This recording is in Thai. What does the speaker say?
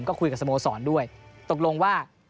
ก็คุยกับสโมสรด้วยตกลงว่า